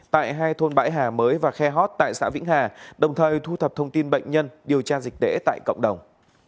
tại hai thôn bãi hà mới và khe hót tại xã vĩnh hà đồng thời thu thập thông tin bệnh nhân điều tra dịch tễ tại cộng đồng